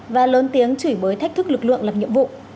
và lớn tiếng chửi bới thách thức lực lượng làm nhiệm vụ